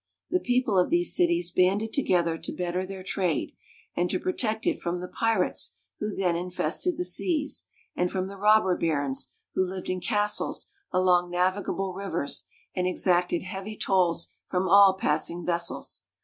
The people of these cities banded to gether to better their trade, and to protect it from the pirates who then infested the seas, and from the " robber barons," who lived in castles along navigable rivers and exacted heavy tolls from all passing vessels.